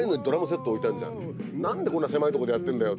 何でこんな狭いとこでやってんだよって。